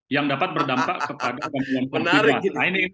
yang dapat berdampak kepada kemampuan kita